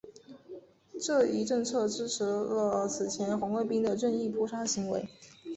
这一政策支持了此前红卫兵的任意扑杀行为。